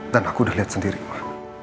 dan aku udah liat sendiri ma